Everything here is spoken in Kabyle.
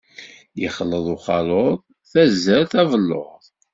Ixleḍ uxaluḍ, tazart, abelluḍ.